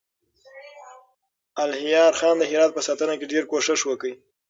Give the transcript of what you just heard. الهيار خان د هرات په ساتنه کې ډېر کوښښ وکړ.